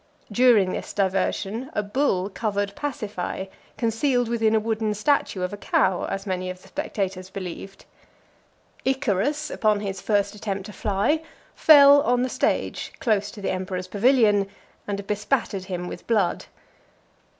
During this diversion, a bull covered Pasiphae, concealed within a wooden statue of a cow, as many of the spectators believed. Icarus, upon his first attempt to fly, fell on the stage close to (345) the emperor's pavilion, and bespattered him with blood.